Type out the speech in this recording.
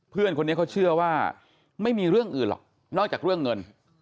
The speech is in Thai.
เพื่อนคนนี้เขาเชื่อว่าไม่มีเรื่องอื่นหรอกนอกจากเรื่องเงิน